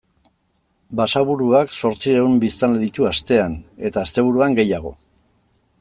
Basaburuak zortziehun biztanle ditu astean eta asteburuan gehiago.